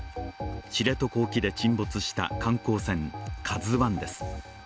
知床沖で沈没した観光船「ＫＡＺＵⅠ」です。